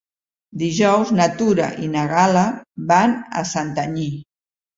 Dijous na Tura i na Gal·la van a Santanyí.